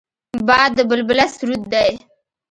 باد د بلبله سرود دی